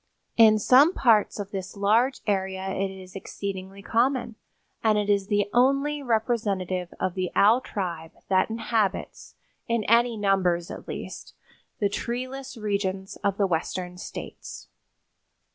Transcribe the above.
In some parts of this large area it is exceedingly common, and it is the only representative of the owl tribe that inhabits, in any numbers at least, the treeless regions of the western states.